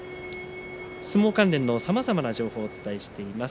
相撲関連のさまざまな情報をお伝えしています。